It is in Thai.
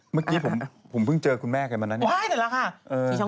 เมื่อกี้ผมผมเพิ่งเจอคุณแม่กันเหมือนนั้นเนี่ยที่ช่อง๗